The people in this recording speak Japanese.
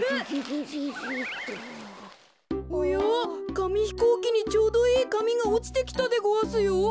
かみひこうきにちょうどいいかみがおちてきたでごわすよ。